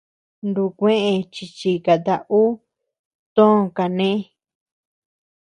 Nukueʼë chi chikata ú tö kané.